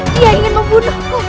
dia ingin membunuhku